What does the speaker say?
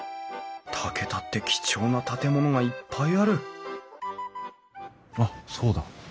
竹田って貴重な建物がいっぱいあるあっそうだ。